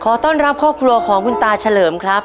ต้อนรับครอบครัวของคุณตาเฉลิมครับ